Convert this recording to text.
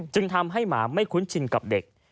จึงทำให้หมาไม่คุ้นชินกับเด็ก